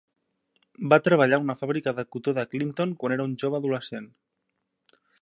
Va treballar a una fàbrica de cotó de Clinton quan era un jove adolescent.